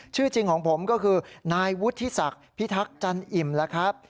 ชื่อจริงของผมก็คือนายวุฒิศักดิ์พิทักษ์จันอิ่มแล้วครับ